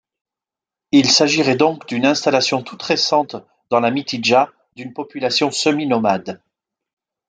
Il s'agirait donc d'une installation toute récente dans la Mitidja d'une population semi-nomade.